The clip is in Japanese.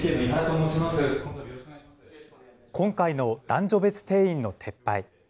今回の男女別定員の撤廃。